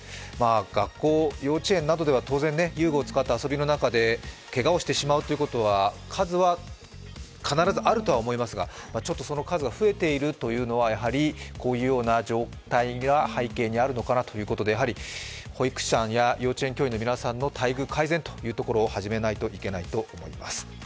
学校、幼稚園などでは当然、遊具を使った遊びの中でけがをしてしまうということは必ずあるとは思いますが、ちょっとその数が増えているというのは、こういうような状態が背景にあるのかなということです、やはり保育士さんや幼稚園の教員の待遇改善というところを始めないといけないと思います。